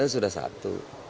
pdi kan sudah satu